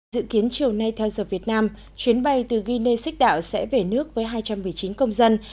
dự kiến chiều nay theo giờ việt nam chuyến bay từ guinea xích đạo sẽ về nước với hai trăm một mươi chín công dân